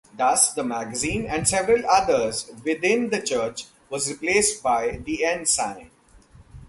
Thus, the magazine, and several others within the church, was replaced by the "Ensign".